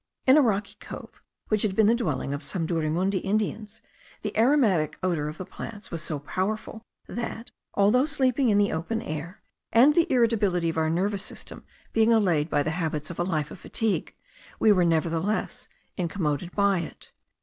In a rocky cove, which had been the dwelling of some Durimundi Indians, the aromatic odour of the plants was so powerful, that although sleeping in the open air, and the irritability of our nervous system being allayed by the habits of a life of fatigue, we were nevertheless incommoded by it.